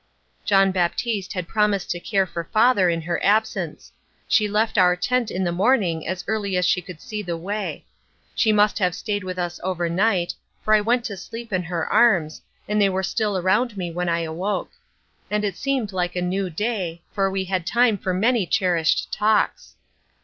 John Baptiste had promised to care for father in her absence. She left our tent in the morning as early as she could see the way. She must have stayed with us over night, for I went to sleep in her arms, and they were still around me when I awoke; and it seemed like a new day, for we had time for many cherished talks.